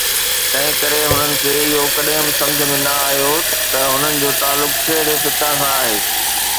تنهن ڪري هنن کي اهو ڪڏهن به سمجهه ۾ نه آيو ته هنن جو تعلق ڪهڙي فقه سان آهي.